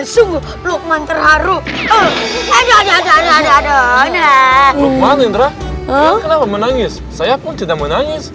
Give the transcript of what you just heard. sungguh lukman terharu adonan menangis saya pun tidak menangis